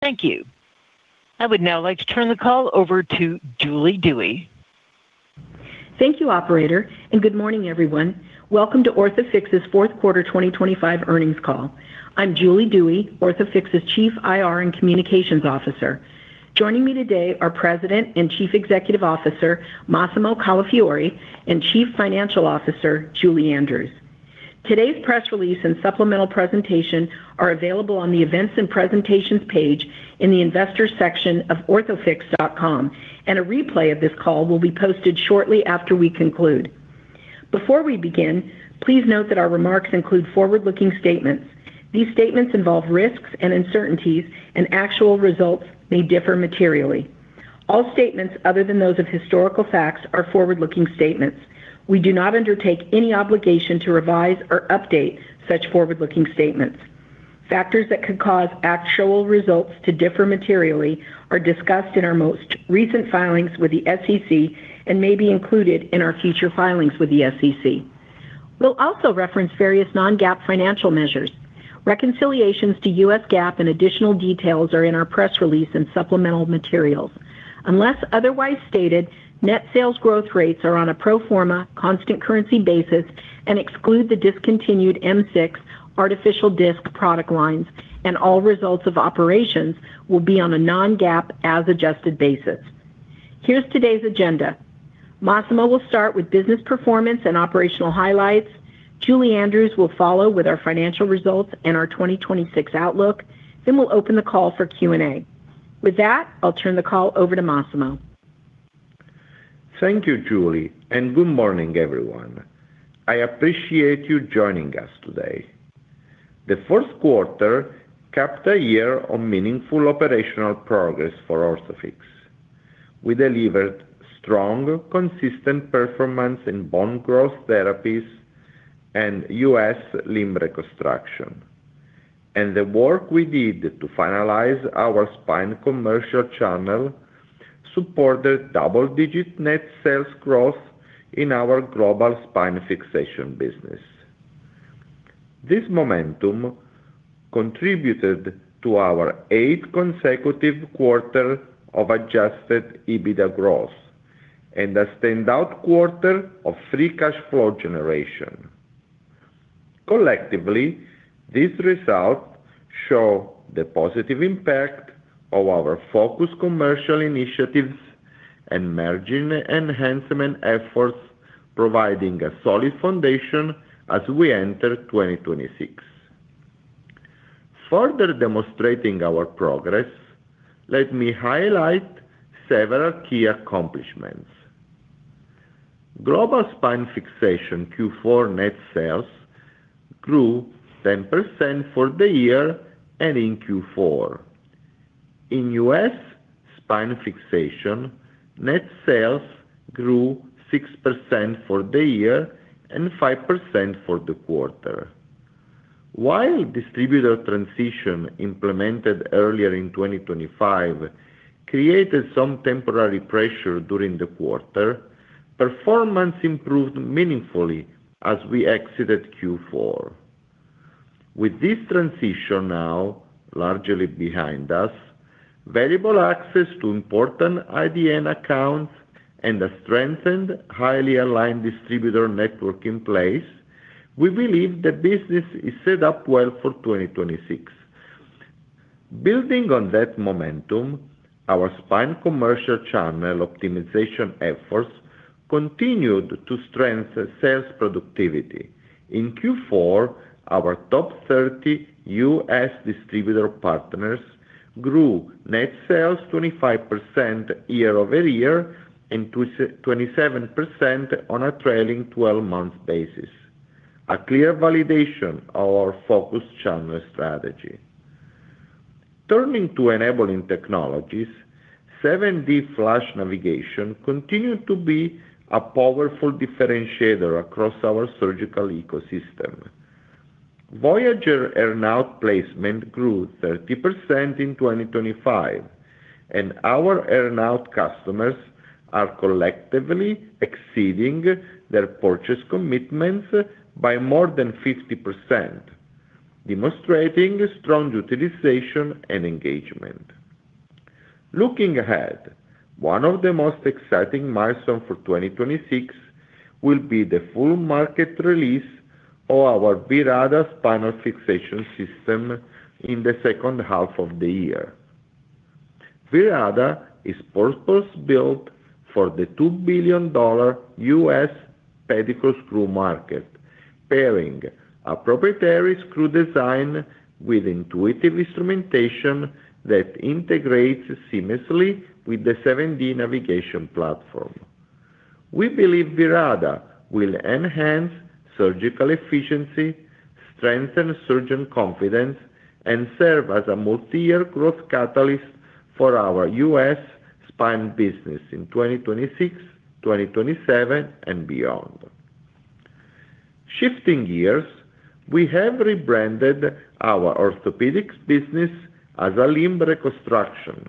Thank you. I would now like to turn the call over to Julie Dewey. Thank you, operator, and good morning, everyone. Welcome to Orthofix's fourth quarter 2025 earnings call. I'm Julie Dewey, Orthofix's Chief IR and Communications Officer. Joining me today are President and Chief Executive Officer, Massimo Calafiore, and Chief Financial Officer, Julie Andrews. Today's press release and supplemental presentation are available on the Events and Presentations page in the investors section of orthofix.com, and a replay of this call will be posted shortly after we conclude. Before we begin, please note that our remarks include forward-looking statements. These statements involve risks and uncertainties, and actual results may differ materially. All statements other than those of historical facts are forward-looking statements. We do not undertake any obligation to revise or update such forward-looking statements. Factors that could cause actual results to differ materially are discussed in our most recent filings with the SEC and may be included in our future filings with the SEC. We'll also reference various non-GAAP financial measures. Reconciliations to U.S. GAAP and additional details are in our press release and supplemental materials. Unless otherwise stated, net sales growth rates are on a pro forma, constant currency basis and exclude the discontinued M6 artificial disc product lines, and all results of operations will be on a non-GAAP as adjusted basis. Here's today's agenda. Massimo will start with business performance and operational highlights. Julie Andrews will follow with our financial results and our 2026 outlook. Then we'll open the call for Q&A. With that, I'll turn the call over to Massimo. Thank you, Julie, and good morning, everyone. I appreciate you joining us today. The fourth quarter capped a year of meaningful operational progress for Orthofix. We delivered strong, consistent performance in Bone Growth Therapies and U.S. Limb Reconstruction. The work we did to finalize our spine commercial channel supported double-digit net sales growth in our global spine fixation business. This momentum contributed to our eighth consecutive quarter of Adjusted EBITDA growth and a standout quarter of free cash flow generation. Collectively, these results show the positive impact of our focused commercial initiatives and margin enhancement efforts, providing a solid foundation as we enter 2026. Further demonstrating our progress, let me highlight several key accomplishments. Global spine fixation Q4 net sales grew 10% for the year and in Q4. U.S. spine fixation net sales grew 6% for the year and 5% for the quarter. While distributor transition, implemented earlier in 2025, created some temporary pressure during the quarter, performance improved meaningfully as we exited Q4. With this transition now largely behind us, variable access to important IDN accounts and a strengthened, highly aligned distributor network in place, we believe the business is set up well for 2026. Building on that momentum, our spine commercial channel optimization efforts continued to strengthen sales productivity. In Q4, our top 30 U.S. distributor partners grew net sales 25% year-over-year and 27% on a trailing 12 month basis, a clear validation of our focused channel strategy. Turning to enabling technologies, 7D FLASH navigation continued to be a powerful differentiator across our surgical ecosystem. Voyager earn-out placement grew 30% in 2025, and our earn-out customers are collectively exceeding their purchase commitments by more than 50%, demonstrating strong utilization and engagement. Looking ahead, one of the most exciting milestones for 2026 will be the full market release of our VIRATA Spinal Fixation System in the second half of the year. VIRATA is purpose-built for the $2 billion U.S. pedicle screw market, pairing a proprietary screw design with intuitive instrumentation that integrates seamlessly with the 7D navigation platform. We believe VIRATA will enhance surgical efficiency, strengthen surgeon confidence, and serve as a multi-year growth catalyst for our U.S. spine business in 2026, 2027, and beyond. Shifting gears, we have rebranded our orthopedics business as a Limb Reconstruction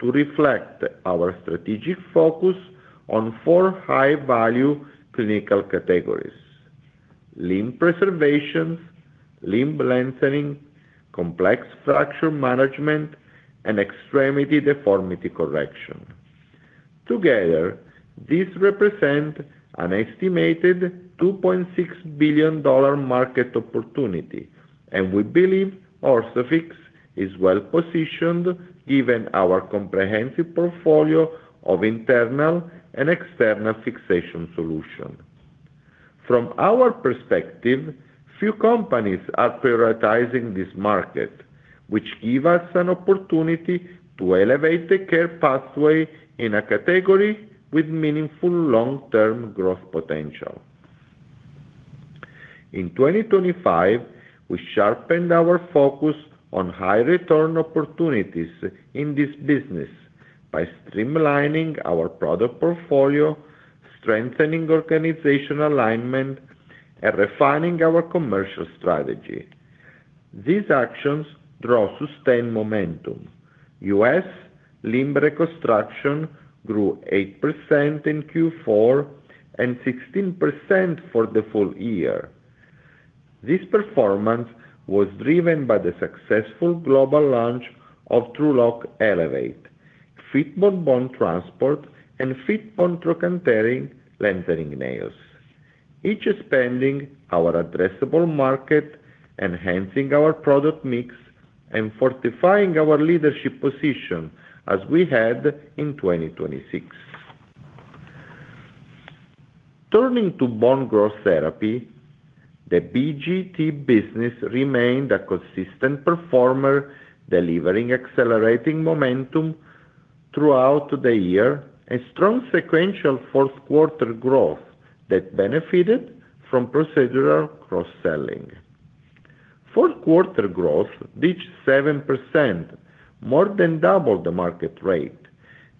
to reflect our strategic focus on four high-value clinical categories: limb preservations, limb lengthening, complex fracture management, and extremity deformity correction. These represent an estimated $2.6 billion market opportunity, and we believe Orthofix is well-positioned, given our comprehensive portfolio of internal and external fixation solutions. From our perspective, few companies are prioritizing this market, which give us an opportunity to elevate the care pathway in a category with meaningful long-term growth potential. In 2025, we sharpened our focus on high-return opportunities in this business by streamlining our product portfolio, strengthening organizational alignment, and refining our commercial strategy. These actions draw sustained momentum. U.S. Limb Reconstruction grew 8% in Q4 and 16% for the full year. This performance was driven by the successful global launch of TrueLok Elevate, Fitbone bone transport, and Fitbone trochanteric lengthening nails, each expanding our addressable market, enhancing our product mix, and fortifying our leadership position as we head in 2026. Turning to Bone Growth Therapies, the BGT business remained a consistent performer, delivering accelerating momentum throughout the year, and strong sequential fourth quarter growth that benefited from procedural cross-selling. Fourth quarter growth reached 7%, more than double the market rate,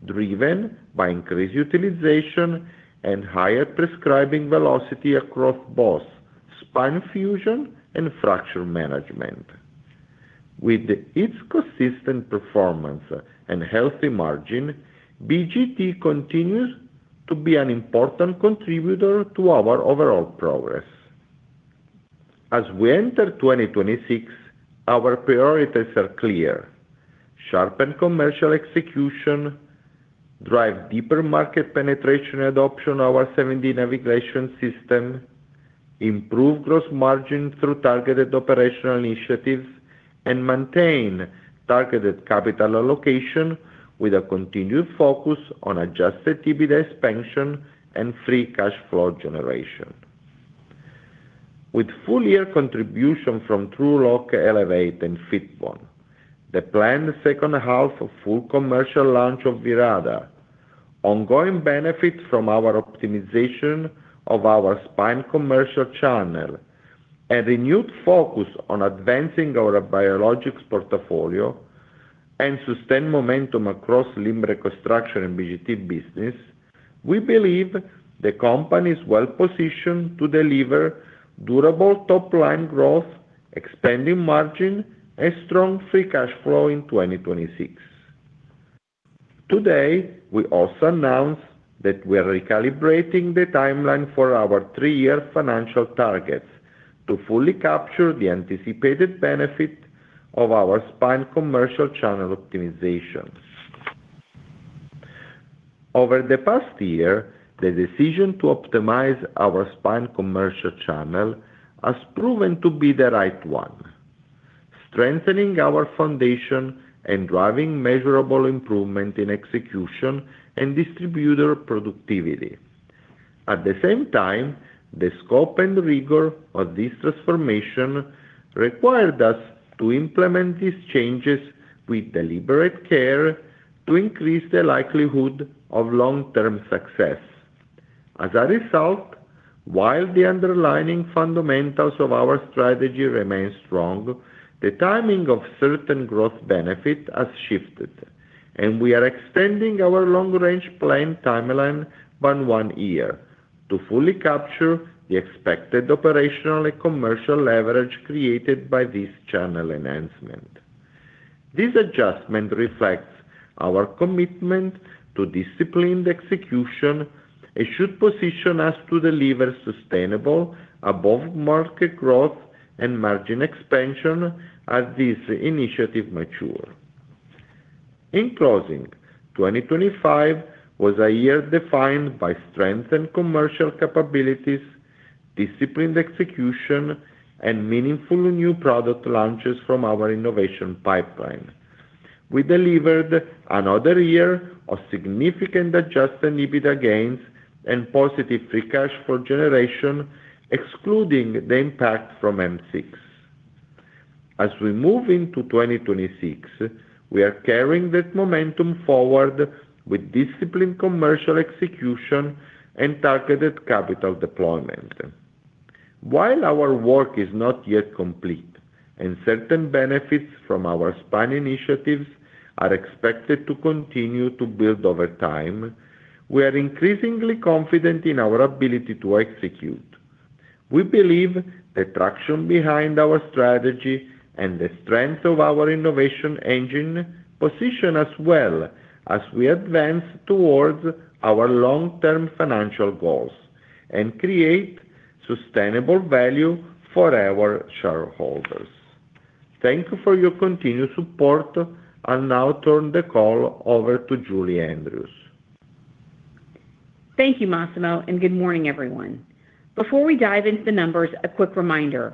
driven by increased utilization and higher prescribing velocity across both spine fusion and fracture management. With its consistent performance and healthy margin, BGT continues to be an important contributor to our overall progress. As we enter 2026, our priorities are clear: sharpen commercial execution, drive deeper market penetration and adoption of our 7D navigation system, improve gross margin through targeted operational initiatives, and maintain targeted capital allocation with a continued focus on Adjusted EBITDA expansion and free cash flow generation. With full year contribution from TrueLok Elevate and Fitbone, the planned second half of full commercial launch of VIRATA, ongoing benefits from our optimization of our spine commercial channel, a renewed focus on advancing our biologics portfolio, and sustained momentum across Limb Reconstruction and BGT business, we believe the company is well positioned to deliver durable top-line growth, expanding margin, and strong free cash flow in 2026. Today, we also announced that we are recalibrating the timeline for our three-year financial targets to fully capture the anticipated benefit of our spine commercial channel optimization. Over the past year, the decision to optimize our spine commercial channel has proven to be the right one, strengthening our foundation and driving measurable improvement in execution and distributor productivity. At the same time, the scope and rigor of this transformation required us to implement these changes with deliberate care to increase the likelihood of long-term success. As a result, while the underlying fundamentals of our strategy remain strong, the timing of certain growth benefit has shifted, and we are extending our long-range plan timeline by one year to fully capture the expected operational and commercial leverage created by this channel enhancement. This adjustment reflects our commitment to disciplined execution and should position us to deliver sustainable above-market growth and margin expansion as this initiative mature. In closing, 2025 was a year defined by strength and commercial capabilities, disciplined execution, and meaningful new product launches from our innovation pipeline. We delivered another year of significant Adjusted EBITDA gains and positive free cash flow generation, excluding the impact from M6. As we move into 2026, we are carrying that momentum forward with disciplined commercial execution and targeted capital deployment. While our work is not yet complete, and certain benefits from our spine initiatives are expected to continue to build over time, we are increasingly confident in our ability to execute. We believe the traction behind our strategy and the strength of our innovation engine position us well as we advance towards our long-term financial goals and create sustainable value for our shareholders. Thank you for your continued support. I'll now turn the call over to Julie Andrews. Thank you, Massimo, and good morning, everyone. Before we dive into the numbers, a quick reminder.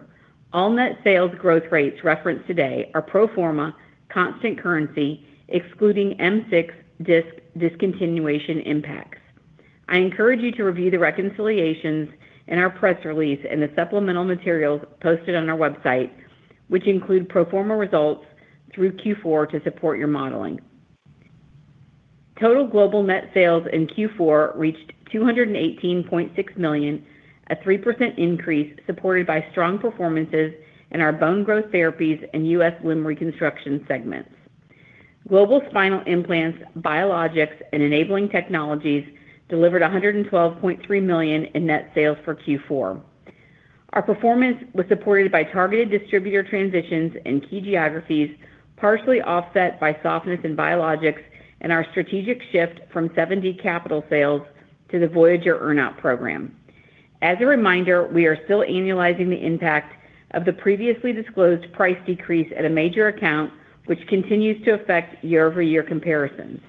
All net sales growth rates referenced today are pro forma constant currency, excluding M6 disc discontinuation impacts. I encourage you to review the reconciliations in our press release and the supplemental materials posted on our website, which include pro forma results through Q4 to support your modeling. Total global net sales in Q4 reached $218.6 million, a 3% increase supported by strong performances in our Bone Growth Therapies and U.S. limb reconstruction segments. Global spinal implants, biologics, and enabling technologies delivered $112.3 million in net sales for Q4. Our performance was supported by targeted distributor transitions in key geographies, partially offset by softness in biologics and our strategic shift from 7D capital sales to the Voyager earn-out program. As a reminder, we are still annualizing the impact of the previously disclosed price decrease at a major account, which continues to affect year-over-year comparisons.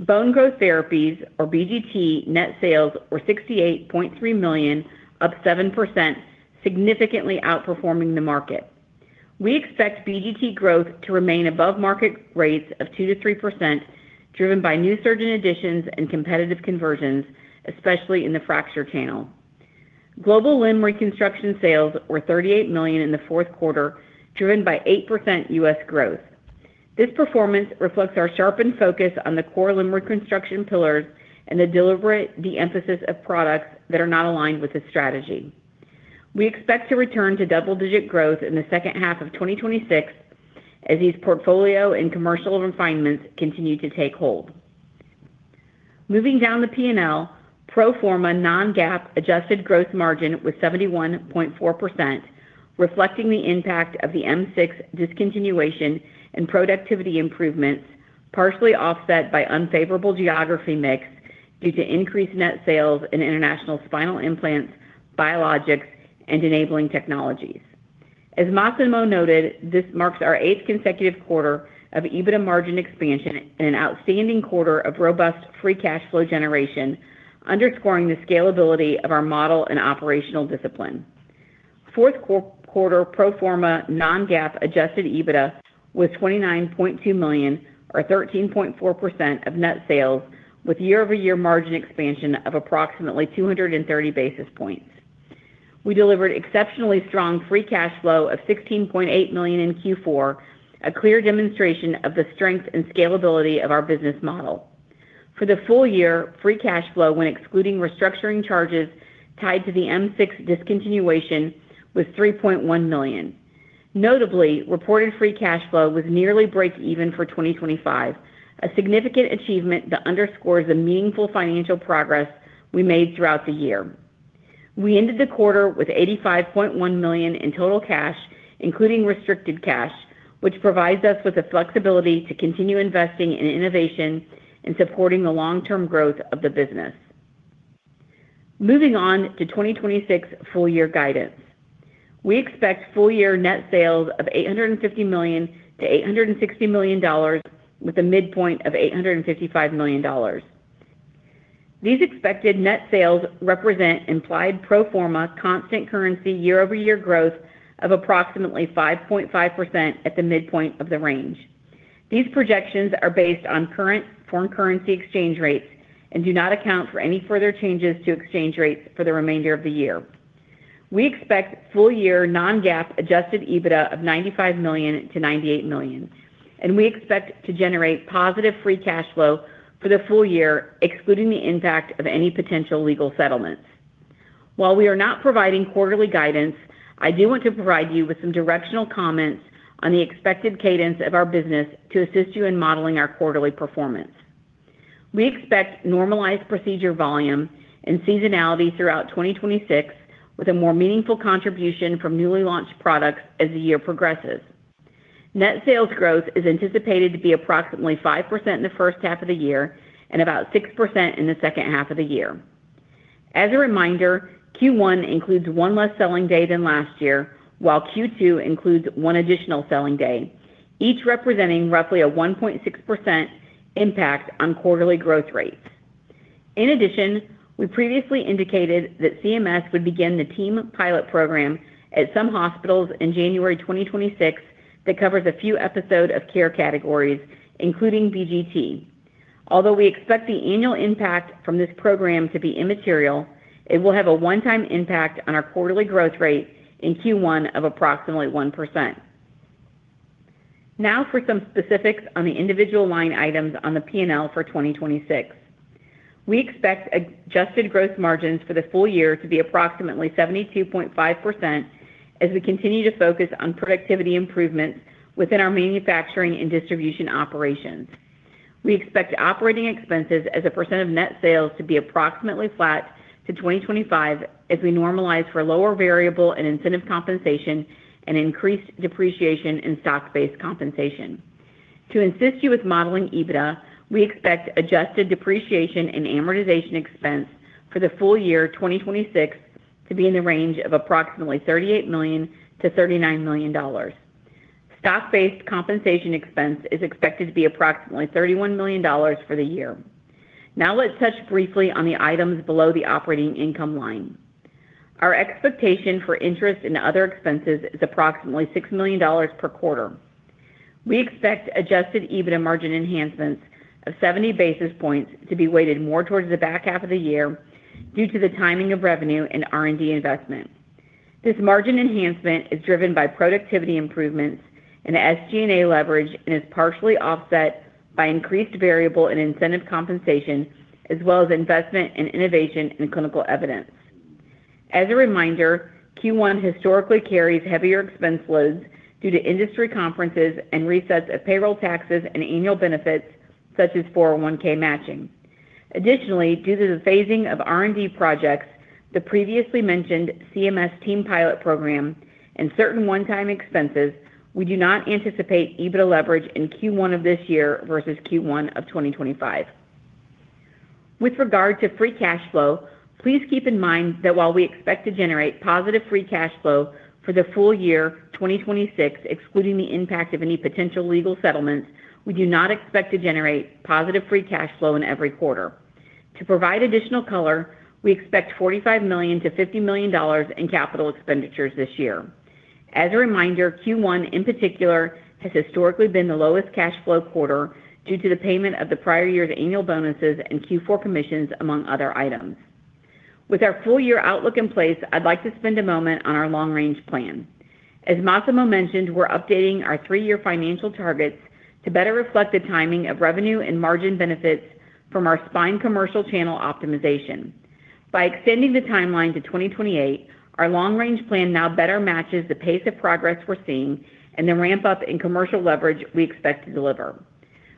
Bone Growth Therapies, or BGT, net sales were $68.3 million, up 7%, significantly outperforming the market. We expect BGT growth to remain above market rates of 2%-3%, driven by new surgeon additions and competitive conversions, especially in the fracture channel. Global limb reconstruction sales were $38 million in the fourth quarter, driven by 8% U.S. growth. This performance reflects our sharpened focus on the core limb reconstruction pillars and the deliberate de-emphasis of products that are not aligned with this strategy. We expect to return to double-digit growth in the second half of 2026 as these portfolio and commercial refinements continue to take hold. Moving down the P&L, pro forma non-GAAP adjusted gross margin was 71.4%, reflecting the impact of the M6 discontinuation and productivity improvements, partially offset by unfavorable geography mix due to increased net sales in international spinal implants, biologics, and enabling technologies. As Massimo noted, this marks our eighth consecutive quarter of EBITDA margin expansion and an outstanding quarter of robust free cash flow generation, underscoring the scalability of our model and operational discipline. Fourth quarter pro forma non-GAAP Adjusted EBITDA was $29.2 million, or 13.4% of net sales, with year-over-year margin expansion of approximately 230 basis points. We delivered exceptionally strong free cash flow of $16.8 million in Q4, a clear demonstration of the strength and scalability of our business model. For the full year, free cash flow, when excluding restructuring charges tied to the M6 discontinuation, was $3.1 million. Notably, reported free cash flow was nearly break even for 2025, a significant achievement that underscores the meaningful financial progress we made throughout the year. We ended the quarter with $85.1 million in total cash, including restricted cash, which provides us with the flexibility to continue investing in innovation and supporting the long-term growth of the business. Moving on to 2026 full year guidance. We expect full year net sales of $850 million-$860 million, with a midpoint of $855 million. These expected net sales represent implied pro forma constant currency year-over-year growth of approximately 5.5% at the midpoint of the range. These projections are based on current foreign currency exchange rates and do not account for any further changes to exchange rates for the remainder of the year. We expect full-year non-GAAP Adjusted EBITDA of $95 million-$98 million. We expect to generate positive free cash flow for the full year, excluding the impact of any potential legal settlements. While we are not providing quarterly guidance, I do want to provide you with some directional comments on the expected cadence of our business to assist you in modeling our quarterly performance. We expect normalized procedure volume and seasonality throughout 2026, with a more meaningful contribution from newly launched products as the year progresses. Net sales growth is anticipated to be approximately 5% in the first half of the year and about 6% in the second half of the year. As a reminder, Q1 includes one less selling day than last year, while Q2 includes one additional selling day, each representing roughly a 1.6% impact on quarterly growth rates. We previously indicated that CMS would begin the TEAM pilot program at some hospitals in January 2026, that covers a few episode of care categories, including BGT. We expect the annual impact from this program to be immaterial, it will have a one-time impact on our quarterly growth rate in Q1 of approximately 1%. For some specifics on the individual line items on the P&L for 2026. We expect adjusted growth margins for the full year to be approximately 72.5% as we continue to focus on productivity improvements within our manufacturing and distribution operations. We expect operating expenses as a percent of net sales to be approximately flat to 2025 as we normalize for lower variable and incentive compensation. To assist you with modeling EBITDA, we expect adjusted depreciation and amortization expense for the full year 2026 to be in the range of approximately $38 million-$39 million. Stock-based compensation expense is expected to be approximately $31 million for the year. Let's touch briefly on the items below the operating income line. Our expectation for interest and other expenses is approximately $6 million per quarter. We expect Adjusted EBITDA margin enhancements of 70 basis points to be weighted more towards the back half of the year due to the timing of revenue and R&D investment. This margin enhancement is driven by productivity improvements and SG&A leverage, and is partially offset by increased variable and incentive compensation, as well as investment in innovation and clinical evidence. As a reminder, Q1 historically carries heavier expense loads due to industry conferences and resets of payroll taxes and annual benefits, such as 401 matching. Additionally, due to the phasing of R&D projects, the previously mentioned CMS TEAM pilot program, and certain one-time expenses, we do not anticipate EBITDA leverage in Q1 of this year versus Q1 of 2025. With regard to free cash flow, please keep in mind that while we expect to generate positive free cash flow for the full year 2026, excluding the impact of any potential legal settlements, we do not expect to generate positive free cash flow in every quarter. To provide additional color, we expect $45 million-$50 million in capital expenditures this year. As a reminder, Q1, in particular, has historically been the lowest cash flow quarter due to the payment of the prior year's annual bonuses and Q4 commissions, among other items. With our full year outlook in place, I'd like to spend a moment on our long-range plan. As Massimo mentioned, we're updating our three-year financial targets to better reflect the timing of revenue and margin benefits from our spine commercial channel optimization. By extending the timeline to 2028, our long-range plan now better matches the pace of progress we're seeing and the ramp-up in commercial leverage we expect to deliver.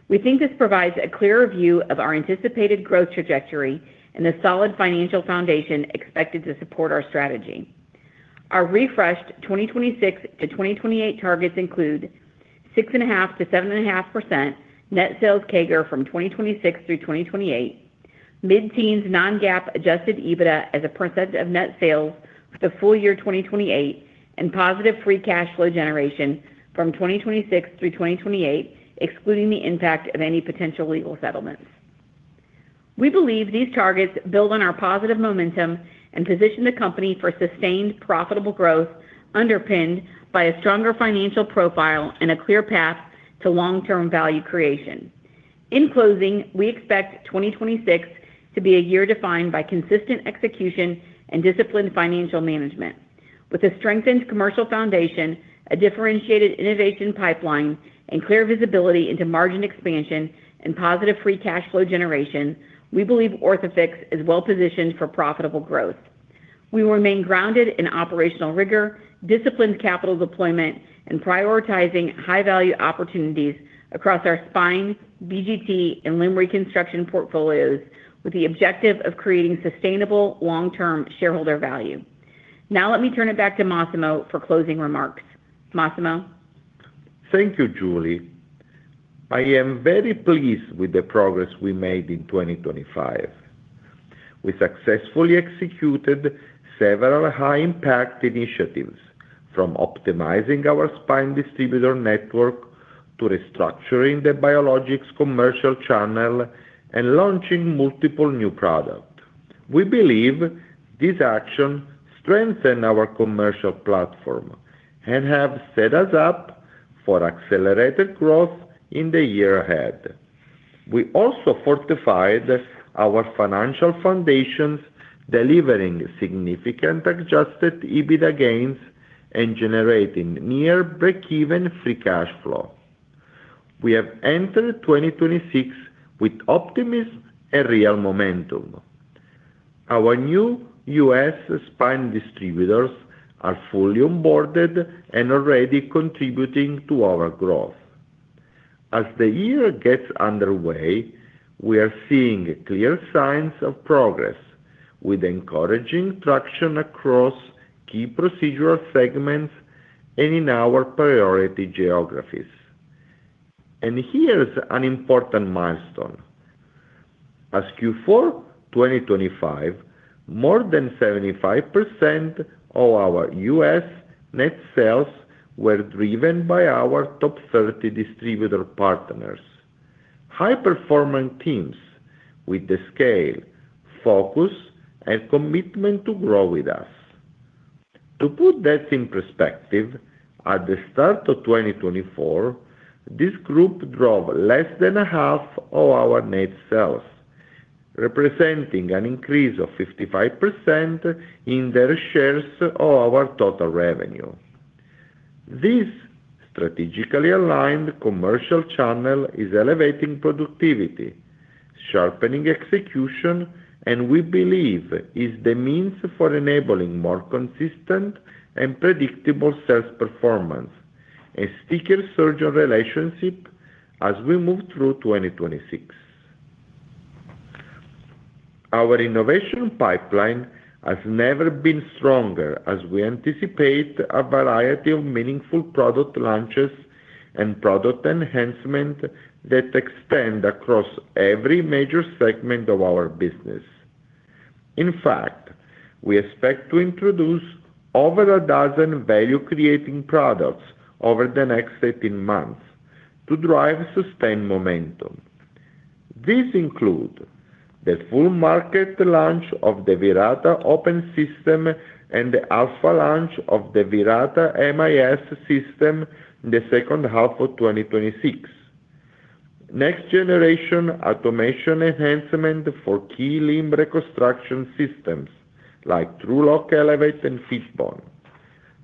We think this provides a clearer view of our anticipated growth trajectory and the solid financial foundation expected to support our strategy. Our refreshed 2026 to 2028 targets include 6.5%-7.5% net sales CAGR from 2026 through 2028, mid-teens non-GAAP Adjusted EBITDA as a % of net sales for the full year 2028, and positive free cash flow generation from 2026 through 2028, excluding the impact of any potential legal settlements. We believe these targets build on our positive momentum and position the company for sustained, profitable growth, underpinned by a stronger financial profile and a clear path to long-term value creation. In closing, we expect 2026 to be a year defined by consistent execution and disciplined financial management. With a strengthened commercial foundation, a differentiated innovation pipeline, and clear visibility into margin expansion and positive free cash flow generation, we believe Orthofix is well positioned for profitable growth. We remain grounded in operational rigor, disciplined capital deployment, and prioritizing high-value opportunities across our spine, BGT, and limb reconstruction portfolios, with the objective of creating sustainable long-term shareholder value. Now, let me turn it back to Massimo for closing remarks. Massimo? Thank you, Julie. I am very pleased with the progress we made in 2025. We successfully executed several high-impact initiatives, from optimizing our spine distributor network to restructuring the biologics commercial channel and launching multiple new product. We believe these actions strengthen our commercial platform and have set us up for accelerated growth in the year ahead. We also fortified our financial foundations, delivering significant Adjusted EBITDA gains and generating near breakeven free cash flow. We have entered 2026 with optimism and real momentum. Our new U.S. spine distributors are fully onboarded and already contributing to our growth. As the year gets underway, we are seeing clear signs of progress, with encouraging traction across key procedural segments and in our priority geographies. Here's an important milestone: as Q4 2025, more than 75% of our U.S. net sales were driven by our top 30 distributor partners, high-performing teams with the scale, focus, and commitment to grow with us. To put that in perspective, at the start of 2024, this group drove less than a half of our net sales, representing an increase of 55% in their shares of our total revenue. This strategically aligned commercial channel is elevating productivity, sharpening execution, and we believe is the means for enabling more consistent and predictable sales performance and sticker surgeon relationship as we move through 2026. Our innovation pipeline has never been stronger, as we anticipate a variety of meaningful product launches and product enhancement that extend across every major segment of our business. In fact, we expect to introduce over a dozen value-creating products over the next 18 months to drive sustained momentum. These include the full market launch of the VIRATA Open System and the alpha launch of the VIRATA MIS system in the second half of 2026. Next-generation automation enhancement for key limb reconstruction systems like TrueLok Elevate and Fitbone.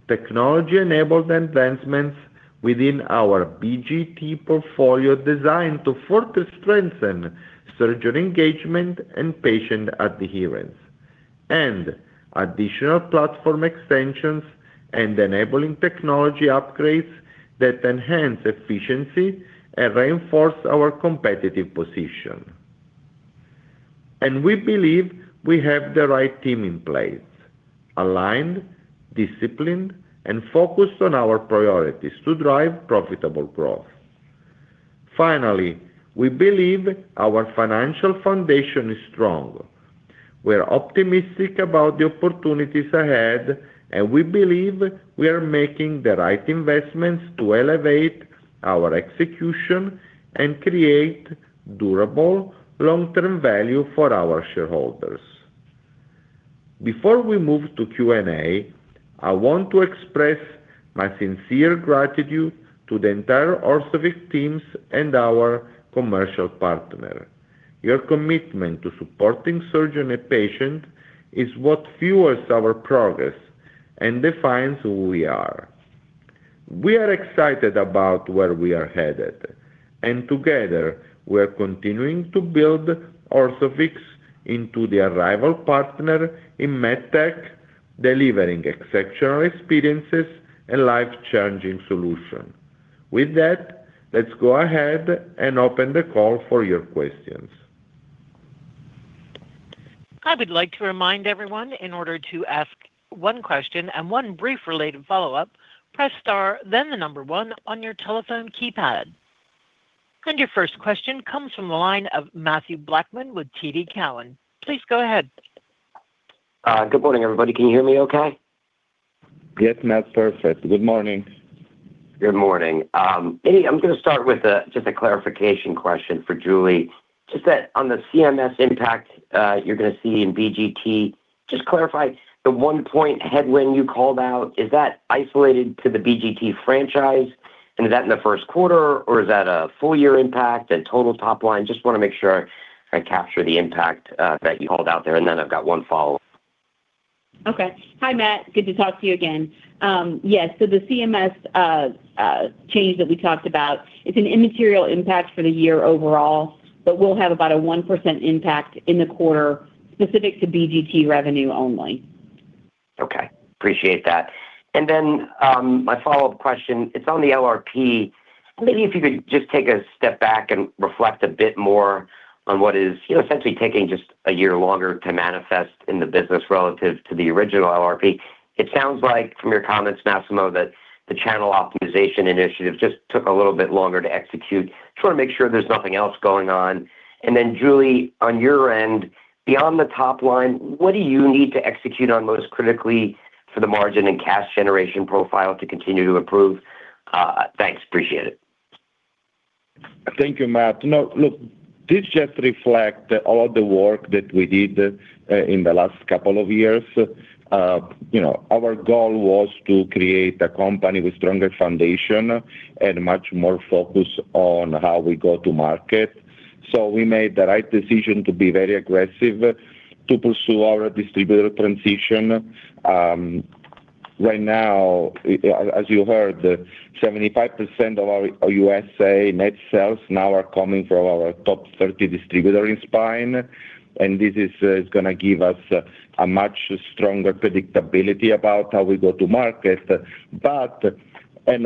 Technology-enabled advancements within our BGT portfolio, designed to further strengthen surgeon engagement and patient adherence, and additional platform extensions and enabling technology upgrades that enhance efficiency and reinforce our competitive position. We believe we have the right team in place: aligned, disciplined, and focused on our priorities to drive profitable growth. We believe our financial foundation is strong. We're optimistic about the opportunities ahead, and we believe we are making the right investments to elevate our execution and create durable, long-term value for our shareholders. Before we move to Q&A, I want to express my sincere gratitude to the entire Orthofix teams and our commercial partner. Your commitment to supporting surgeon and patient is what fuels our progress and defines who we are. We are excited about where we are headed, and together, we are continuing to build Orthofix into the arrival partner in MedTech, delivering exceptional experiences and life-changing solution. With that, let's go ahead and open the call for your questions. I would like to remind everyone, in order to ask one question and one brief related follow-up, press star, then the number one on your telephone keypad. Your first question comes from the line of Mathew Blackman with TD Cowen. Please go ahead. Good morning, everybody. Can you hear me okay? Yes, Matt. Perfect. Good morning. Good morning. Maybe I'm going to start with just a clarification question for Julie. Just that on the CMS impact, you're going to see in BGT, just clarify, the 1 point headwind you called out, is that isolated to the BGT franchise? Is that in the first quarter, or is that a full year impact and total top line? Just want to make sure I capture the impact that you called out there, and then I've got one follow-up. Okay. Hi, Matt. Good to talk to you again. Yes, the CMS change that we talked about, it's an immaterial impact for the year overall, but we'll have about a 1% impact in the quarter specific to BGT revenue only. Okay, appreciate that. Then, my follow-up question, it's on the LRP. Maybe if you could just take a step back and reflect a bit more on what is, you know, essentially taking just a year longer to manifest in the business relative to the original LRP. It sounds like from your comments, Massimo, that the channel optimization initiative just took a little bit longer to execute. Just want to make sure there's nothing else going on. Then, Julie, on your end, beyond the top line, what do you need to execute on most critically for the margin and cash generation profile to continue to improve? Thanks. Appreciate it. Thank you, Matt. Look, this just reflect all of the work that we did in the last couple of years. You know, our goal was to create a company with stronger foundation and much more focus on how we go to market. We made the right decision to be very aggressive to pursue our distributor transition. Right now, as you heard, 75% of our USA net sales now are coming from our top 30 distributor in Spine, this is gonna give us a much stronger predictability about how we go to market.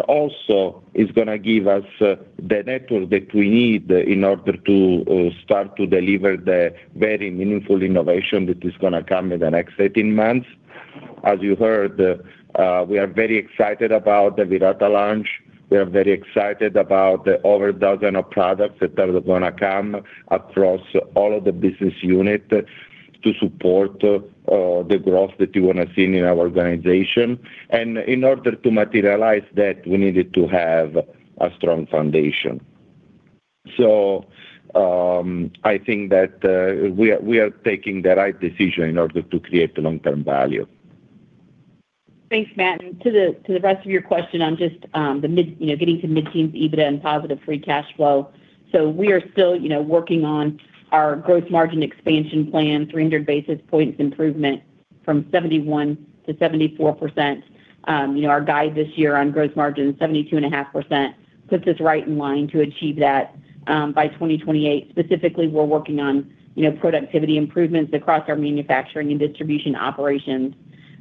Also, it's gonna give us the network that we need in order to start to deliver the very meaningful innovation that is gonna come in the next 18 months. As you heard, we are very excited about the VIRATA launch. We are very excited about the over 12 of products that are gonna come across all of the business unit to support the growth that we wanna see in our organization. In order to materialize that, we needed to have a strong foundation. I think that, we are taking the right decision in order to create long-term value. Thanks, Matt. To the rest of your question on just, you know, getting to mid-teens EBITDA and positive free cash flow. We are still, you know, working on our gross margin expansion plan, 300 basis points improvement from 71%-74%. You know, our guide this year on gross margin, 72.5%, puts us right in line to achieve that by 2028. Specifically, we're working on, you know, productivity improvements across our manufacturing and distribution operations.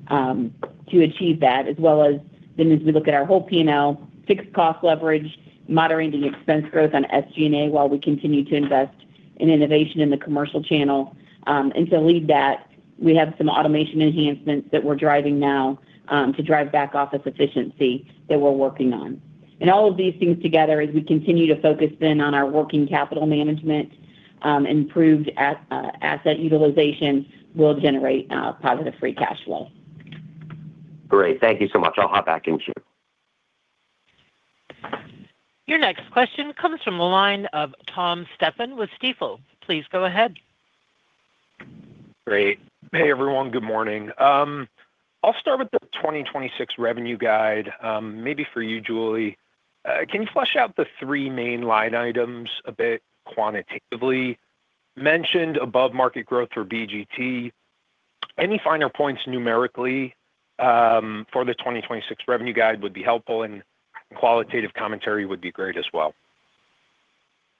To achieve that, as well as then as we look at our whole P&L, fixed cost leverage, moderating the expense growth on SG&A while we continue to invest in innovation in the commercial channel. To lead that, we have some automation enhancements that we're driving now to drive back office efficiency that we're working on. All of these things together, as we continue to focus in on our working capital management, improved asset utilization, will generate positive free cash flow. Great. Thank you so much. I'll hop back in queue. Your next question comes from the line of Tom Stephan with Stifel. Please go ahead. Great. Hey, everyone. Good morning. I'll start with the 2026 revenue guide, maybe for you, Julie. Can you flesh out the three main line items a bit quantitatively? Mentioned above market growth for BGT. Any finer points numerically for the 2026 revenue guide would be helpful, and qualitative commentary would be great as well.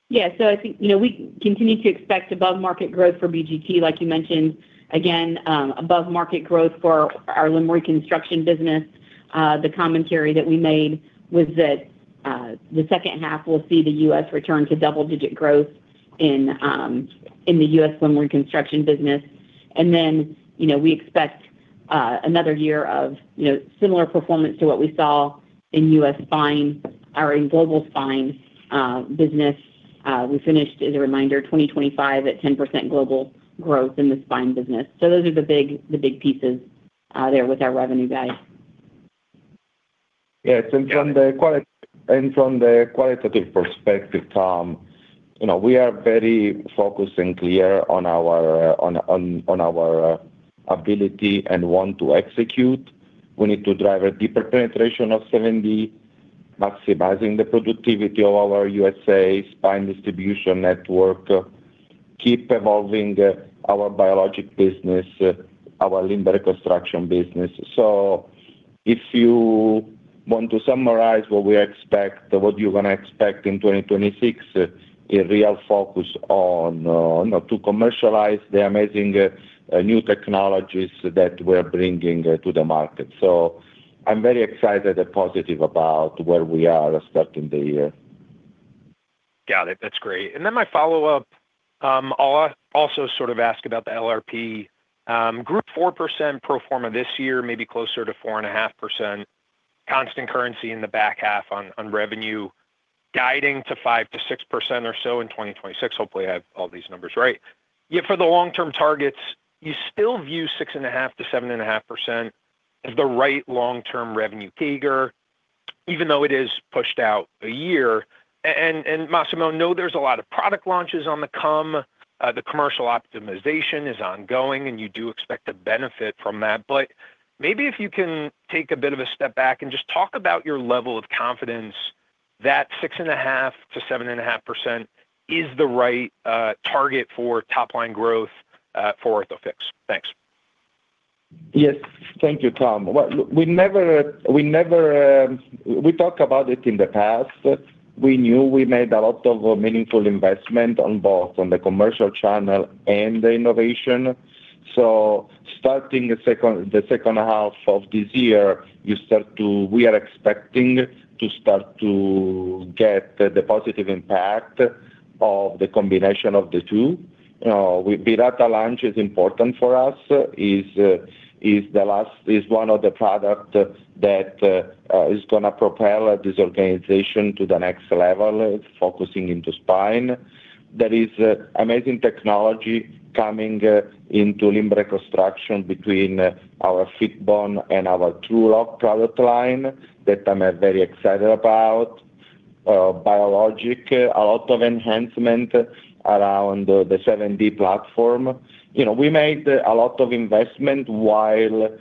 Yeah. I think, you know, we continue to expect above-market growth for BGT, like you mentioned. Again, above-market growth for our limb reconstruction business. The commentary that we made was that the second half will see the U.S. return to double-digit growth in the U.S. limb reconstruction business. You know, we expect another year of, you know, similar performance to what we saw in U.S. Spine or in global Spine business. We finished, as a reminder, 2025 at 10% global growth in the Spine business. Those are the big pieces there with our revenue guide. Yeah, from the qualitative perspective, Tom, you know, we are very focused and clear on our ability and want to execute. We need to drive a deeper penetration of 7D, maximizing the productivity of our USA Spine distribution network, keep evolving, our biologic business, our limb reconstruction business. If you want to summarize what we expect, what you're going to expect in 2026, a real focus on to commercialize the amazing new technologies that we're bringing to the market. I'm very excited and positive about where we are starting the year. Got it. That's great. My follow-up, I'll also sort of ask about the LRP. Group 4% pro forma this year, maybe closer to 4.5%, constant currency in the back half on revenue, guiding to 5%-6% or so in 2026. Hopefully, I have all these numbers right. For the long-term targets, you still view 6.5%-7.5% as the right long-term revenue CAGR, even though it is pushed out a year. Massimo, know there's a lot of product launches on the come, the commercial optimization is ongoing, and you do expect to benefit from that. Maybe if you can take a bit of a step back and just talk about your level of confidence that 6.5%-7.5% is the right target for top-line growth for Orthofix. Thanks. Yes. Thank you, Tom. Well, we never talked about it in the past. We knew we made a lot of meaningful investment on both on the commercial channel and the innovation. Starting the second half of this year, we are expecting to start to get the positive impact of the combination of the two. The VIRATA launch is important for us, is one of the product that is gonna propel this organization to the next level, focusing into spine. There is amazing technology coming into limb reconstruction between our Fitbone and our TrueLok product line that I'm very excited about. Biologic, a lot of enhancement around the 7D platform. You know, we made a lot of investment while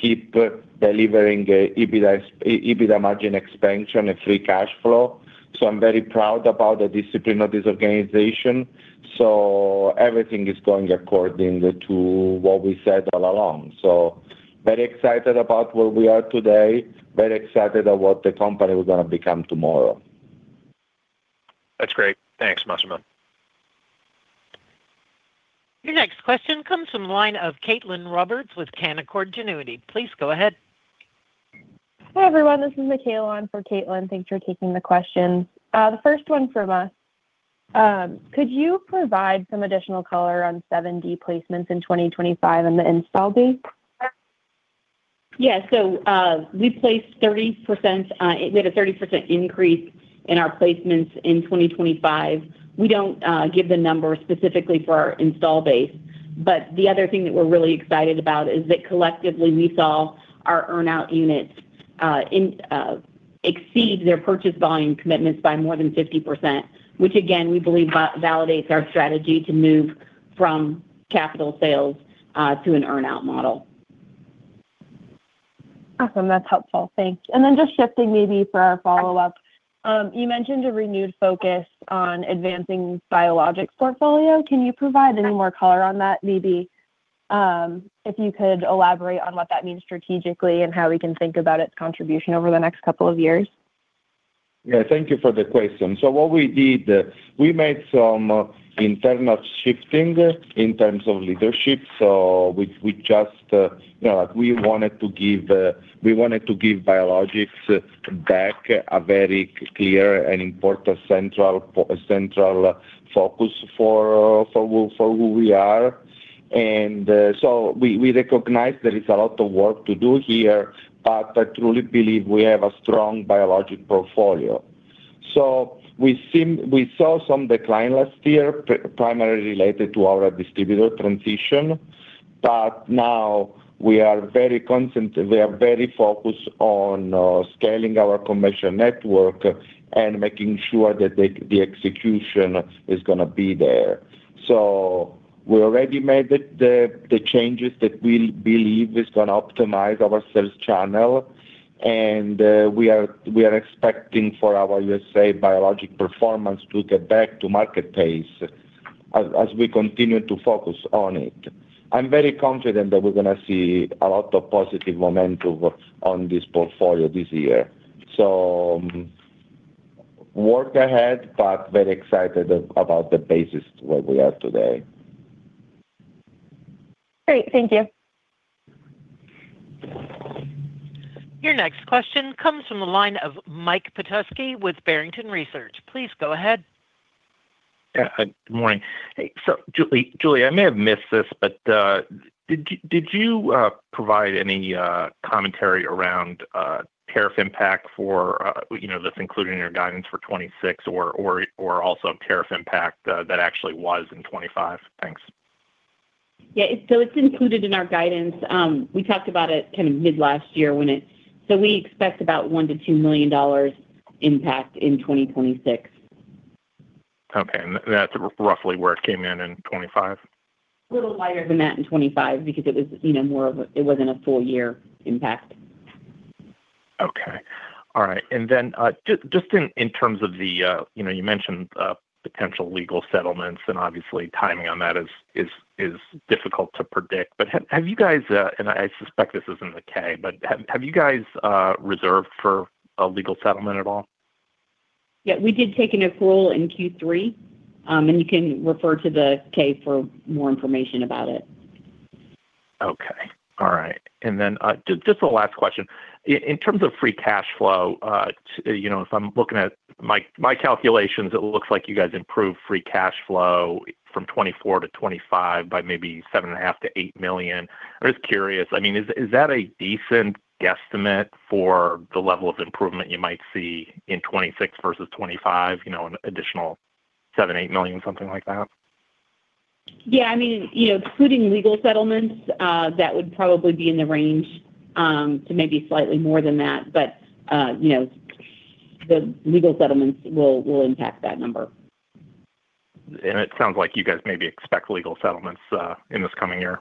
keep delivering, EBITDA margin expansion and free cash flow. I'm very proud about the discipline of this organization. Everything is going according to what we said all along. Very excited about where we are today, very excited about what the company is gonna become tomorrow. That's great. Thanks, Massimo. Your next question comes from the line of Caitlin Roberts with Canaccord Genuity. Please go ahead. Hi, everyone, this is Michaela on for Caitlin. Thanks for taking the question. The first one from us, could you provide some additional color on 7D placements in 2025 and the install base? We placed 30%, we had a 30% increase in our placements in 2025. We don't give the numbers specifically for our install base, but the other thing that we're really excited about is that collectively, we saw our earn-out units exceed their purchase volume commitments by more than 50%, which again, we believe validates our strategy to move from capital sales to an earn-out model. Awesome. That's helpful. Thanks. Then just shifting maybe for our follow-up. You mentioned a renewed focus on advancing biologics portfolio. Can you provide any more color on that? Maybe, if you could elaborate on what that means strategically and how we can think about its contribution over the next couple of years? Yeah, thank you for the question. What we did, we made some internal shifting in terms of leadership. We just, you know, we wanted to give biologics back a very clear and important central focus for who we are. We recognize there is a lot of work to do here, but I truly believe we have a strong biologic portfolio. We saw some decline last year, primarily related to our distributor transition, but now we are very focused on scaling our commercial network and making sure that the execution is gonna be there. We already made the changes that we believe is gonna optimize our sales channel. We are expecting for our U.S. biologics performance to get back to market pace as we continue to focus on it. I'm very confident that we're gonna see a lot of positive momentum on this portfolio this year. Work ahead, but very excited about the basis where we are today. Great. Thank you. Your next question comes from the line of Mike Petusky with Barrington Research. Please go ahead. Good morning. Julie, I may have missed this, but did you provide any commentary around tariff impact for, you know, that's included in your guidance for 26 or also tariff impact that actually was in 25? Thanks. Yeah, it's included in our guidance. We talked about it kind of mid last year. We expect about $1 million-$2 million impact in 2026. Okay, that's roughly where it came in in 25? A little lighter than that in 2025 because it was, you know, more of a, it wasn't a full year impact. Okay. All right. Then, just in terms of the, you know, you mentioned, potential legal settlements, and obviously timing on that is difficult to predict. Have you guys, and I suspect this is in the K, but have you guys, reserved for a legal settlement at all? Yeah, we did take an accrual in Q3, and you can refer to the K for more information about it. Okay. All right. Just the last question. In terms of free cash flow, you know, if I'm looking at my calculations, it looks like you guys improved free cash flow from 2024 to 2025 by maybe $7.5 million-$8 million. I'm just curious, I mean, is that a decent guesstimate for the level of improvement you might see in 2026 versus 2025, you know, an additional $7 million-$8 million, something like that? Yeah, I mean, you know, including legal settlements, that would probably be in the range, to maybe slightly more than that. You know, the legal settlements will impact that number. It sounds like you guys maybe expect legal settlements in this coming year.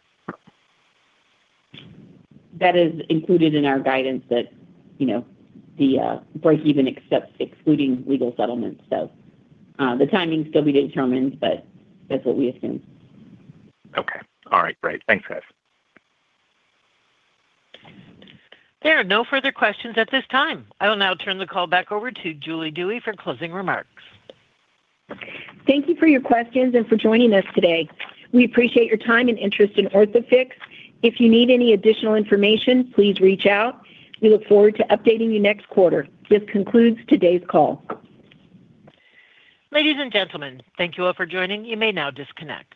That is included in our guidance that, you know, the breakeven except excluding legal settlements. The timing still be determined, but that's what we assume. Okay. All right, great. Thanks, guys. There are no further questions at this time. I will now turn the call back over to Julie Dewey for closing remarks. Thank you for your questions and for joining us today. We appreciate your time and interest in Orthofix. If you need any additional information, please reach out. We look forward to updating you next quarter. This concludes today's call. Ladies and gentlemen, thank you all for joining. You may now disconnect.